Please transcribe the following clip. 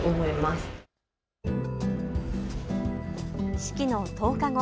式の１０日後。